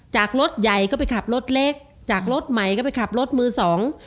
จากรถใหญ่ก็ไปขับรถเล็กจากรถใหม่ก็ไปขับรถมือสอง